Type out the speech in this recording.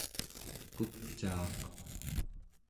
kupcaaq